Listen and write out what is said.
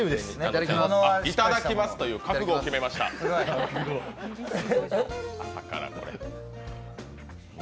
いただきますという覚悟を決めました、朝から。